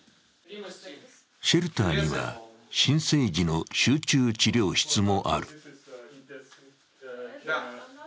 シェルターには新生児の集中治療室もある。